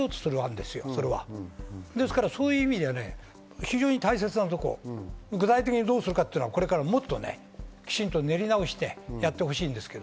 ですからそういう意味では非常に大切なところ具体的にどうするかはこれからもっときちんと練り直してやってほしいんですけど。